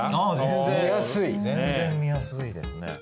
全然見やすいですね。